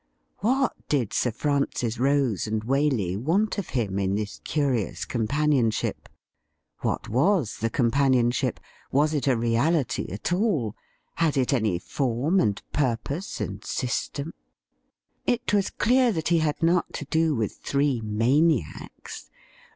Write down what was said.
What did Sir Francis Rose and Waley want of him in this curious companionship ? What was the companionship ? Was it a reality at all .' Had it any form and purpose and system ? It was clear that he had not to do with three maniacs.